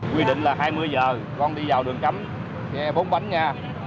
quy định là hai mươi h con đi vào đường cấm xe bốn bánh nha